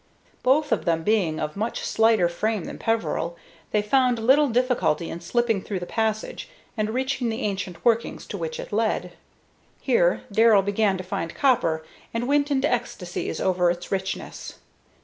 Both of them being of much slighter frame than Peveril, they found little difficulty in slipping through the passage and reaching the ancient workings to which it led. Here Darrell began to find copper, and went into ecstasies over its richness.